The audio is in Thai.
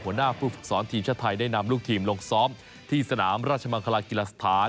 หัวหน้าผู้ฝึกสอนทีมชาติไทยได้นำลูกทีมลงซ้อมที่สนามราชมังคลากีฬาสถาน